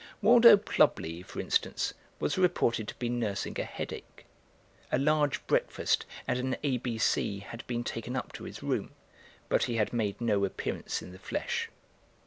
Waldo Plubley, for instance, was reported to be nursing a headache. A large breakfast and an "A.B.C." had been taken up to his room, but he had made no appearance in the flesh.